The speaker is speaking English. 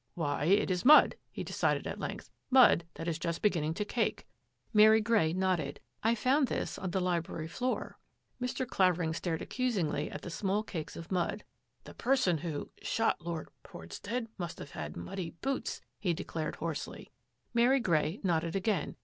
" Why, it is mud," he decided at length, " mud that is just beginning to cake." THE NORTH WING 61 Mary Grey nodded. " I found this on the library floor." Mr. Clavermg stared accusingly at the small cakes of mud. " The person who — shot Lord Portstead must have had muddy boots," he de clared hoarsely. Mary Grey nodded again.